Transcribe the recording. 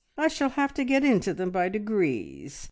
I shall have to get into them by degrees.